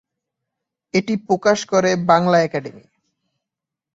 এটি প্রকাশ করে বাংলা একাডেমি।